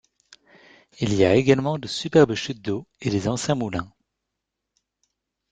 Il y a également de superbes chutes d'eau et des anciens moulins.